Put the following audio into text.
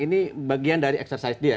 ini bagian dari eksersis dia